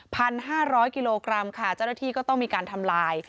พันห้าร้อยกิโลกรัมค่ะเจ้าหน้าที่ก็ต้องมีการทำลาย